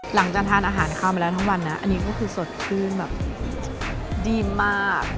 หลังจากทานอาหารข้าวมาแล้วทั้งวันนะอันนี้ก็คือสดชื่นแบบดีนมาก